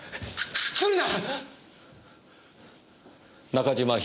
く来るな！